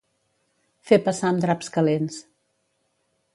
Fer passar amb draps calents.